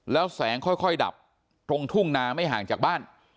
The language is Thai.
แล้วแสงค่อยดับตรงทุ่งนาไม่ห่างจากบ้าน